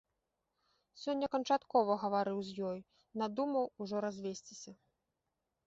Сёння канчаткова гаварыў з ёй, надумаў ужо развесціся.